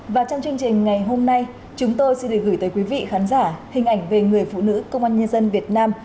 và trong chương trình ngày hôm nay chúng tôi xin được gửi tới quý vị khán giả hình ảnh về người phụ nữ công an nhân dân việt nam